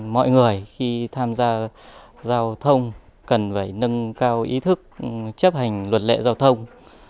mọi người khi tham gia giao thông cần phải nâng cao ý thức chấp hành luật lệ giao thông